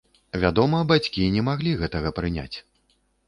Вядома, бацькі не маглі гэтага прыняць.